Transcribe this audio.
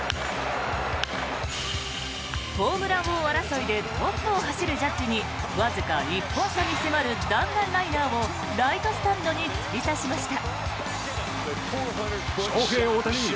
ホームラン王争いでトップを走るジャッジにわずか１本差に迫る弾丸ライナーをライトスタンドに突き刺しました。